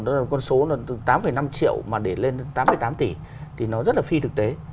đó là con số là tám năm triệu mà để lên đến tám tám tỷ thì nó rất là phi thực tế